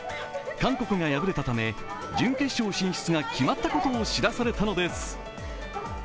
韓国が敗れたため、準決勝進出が決まったことを知らされたのです